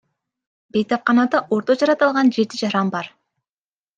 Бейтапканада орто жарат алган жети жаран бар.